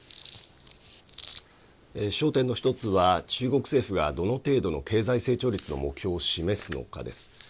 焦点の１つは、中国政府がどの程度の経済成長率の目標を示すのかです。